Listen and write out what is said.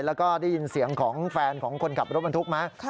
แล้วก็ได้ยินเสียงของแฟนของคนขับรถบรรทุกไหม